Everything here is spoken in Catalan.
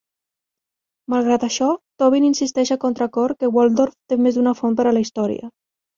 Malgrat això, Tobin insisteix a contracor que Waldorf té més d'una font per a la història.